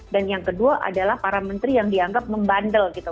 dan yang kedua adalah para menteri yang dianggap membandel gitu